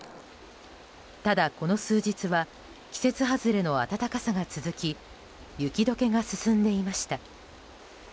ただ、この数日は季節外れの暖かさが続き雪解けが進んでいました。